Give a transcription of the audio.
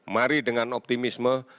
mari dengan optimisme